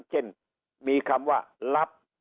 เช่นมีคำว่าลับ